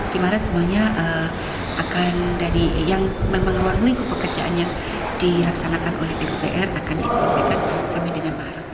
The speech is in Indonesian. di maret semuanya yang mengawani pekerjaan yang dilaksanakan oleh pupr akan diselesaikan